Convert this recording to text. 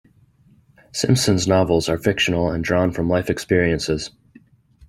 Simpson's novels are fictional and drawn from life experiences.